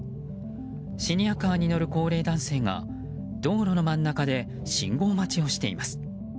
シニアカーに乗る高齢男性が道路の真ん中で信号待ちをしています。